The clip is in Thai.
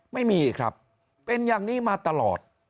ไม่มีครับเป็นอย่างนี้มาตลอด